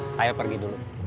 saya pergi dulu